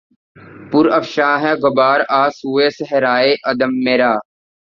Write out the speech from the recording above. پرافشاں ہے غبار آں سوئے صحرائے عدم میرا